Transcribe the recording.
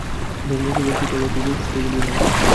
ধর্ম কেবল তোতাপাখীর মুখস্থ বুলি নয়।